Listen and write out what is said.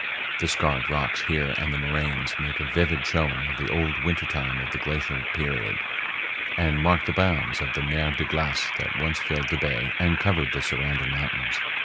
The scarred rocks here and the moraines make a vivid showing of the old winter time of the glacial period, and mark the bounds of the mer de glace that once filled the bay and covered the surrounding mountains.